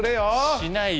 しないよ。